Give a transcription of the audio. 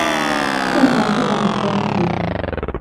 কোনো মাইক্রোবাস দেখা যাচ্ছে না।